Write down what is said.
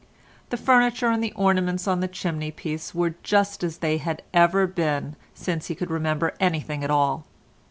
The furniture and the ornaments on the chimney piece were just as they had been ever since he could remember anything at all.